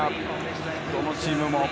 どのチームも。